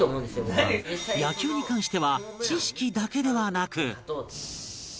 野球に関しては知識だけではなく